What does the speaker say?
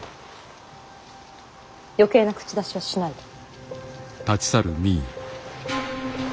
余計な口出しはしないで。